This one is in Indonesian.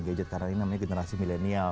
gadget karena ini namanya generasi milenial